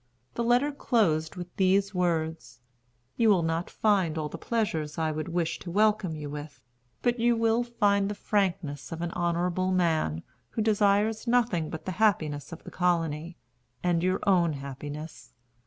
The letter closed with these words: "You will not find all the pleasures I would wish to welcome you with, but you will find the frankness of an honorable man, who desires nothing but the happiness of the colony, and your own happiness.